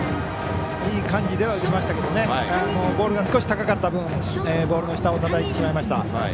いい感じでは打ちましたけどボールが少し高かった分ボールの下をたたいてしまいました。